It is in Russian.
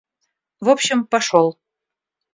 В общем, пошёл.